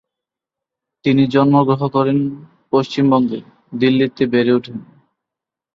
তিনি জন্মগ্রহণ করেন পশ্চিমবঙ্গে দিল্লিতে বেড়ে ওঠেন।